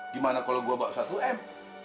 gimana kalau gue bawa satu m